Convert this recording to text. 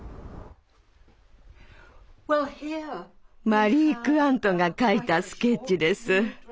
マリー・クワントが描いたスケッチです。